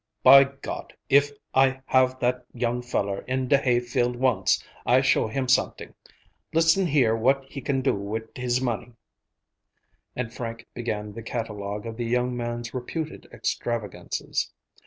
"By God! if I have that young feller in de hayfield once, I show him someting. Listen here what he do wit his money." And Frank began the catalogue of the young man's reputed extravagances.